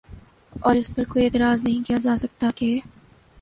اور اس پر کوئی اعتراض نہیں کیا جا سکتا کہ